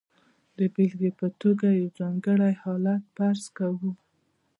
د بېلګې په توګه یو ځانګړی حالت فرض کوو.